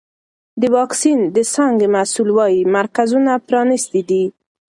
د واکسین د څانګې مسؤل وایي مرکزونه پرانیستي دي.